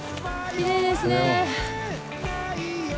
きれいですね。